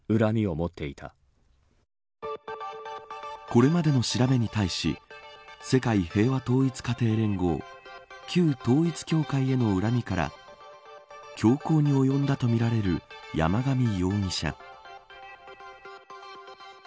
これまでの調べに対し世界平和統一家庭連合旧統一教会への恨みから凶行に及んだとみられる山上容疑者。